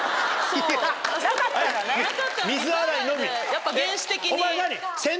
やっぱ原始的に。